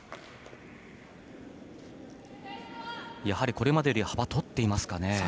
やはり、これまでより幅をとっていますかね。